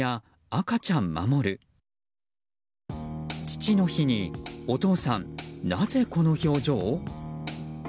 父の日にお父さん、なぜこの表情？